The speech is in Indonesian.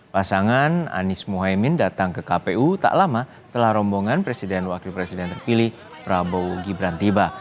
pasangan anies mohaimin datang ke kpu tak lama setelah rombongan presiden wakil presiden terpilih prabowo gibran tiba